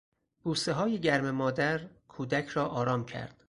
بوسههای گرم مادر کودک را آرام کرد.